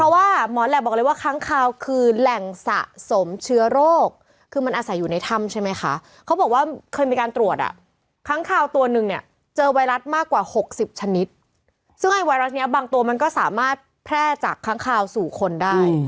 วัยรัสนี้บางตัวมันก็สามารถแพร่จากค้างคาวสู่คนได้